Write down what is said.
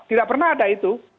tidak pernah ada itu